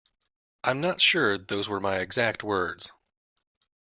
I'm not sure those were my exact words.